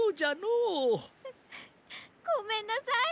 ううごめんなさい！